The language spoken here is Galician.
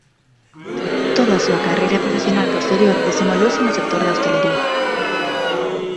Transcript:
Toda a súa carreira profesional posterior desenvolveuse no sector da hostalería.